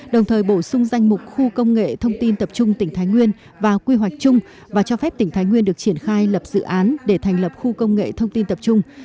đồng thời bổ sung danh mục khu công nghệ thông tin tập trung tỉnh thái nguyên vào quy hoạch chung và cho phép tỉnh thái nguyên được triển khai lập dự án để thành lập khu công nghệ thông tin tập trung